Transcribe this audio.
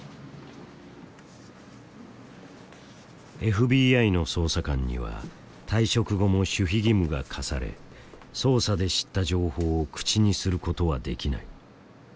ＦＢＩの捜査官には退職後も守秘義務が課され捜査で知った情報を口にすることはできない。